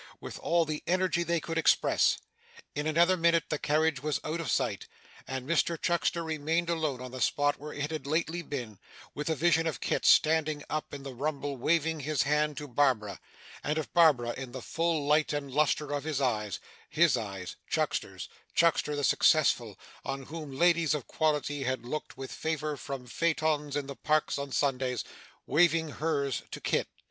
with all the energy they could express. In another minute, the carriage was out of sight; and Mr Chuckster remained alone on the spot where it had lately been, with a vision of Kit standing up in the rumble waving his hand to Barbara, and of Barbara in the full light and lustre of his eyes his eyes Chuckster's Chuckster the successful on whom ladies of quality had looked with favour from phaetons in the parks on Sundays waving hers to Kit!